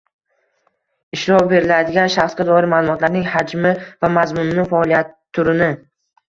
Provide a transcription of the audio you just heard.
ishlov beriladigan shaxsga doir ma’lumotlarning hajmi va mazmunini, faoliyat turini